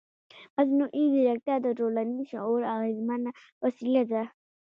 مصنوعي ځیرکتیا د ټولنیز شعور اغېزمنه وسیله ده.